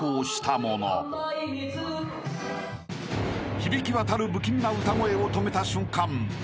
［響き渡る不気味な歌声を止めた瞬間